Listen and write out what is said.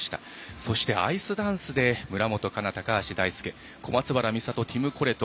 そして、アイスダンスで村元哉中、高橋大輔小松原美里、ティム・コレト